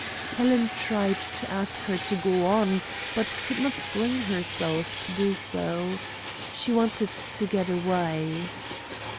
Helen tried to ask her to go on, but could not bring herself to do so. She wanted to get away.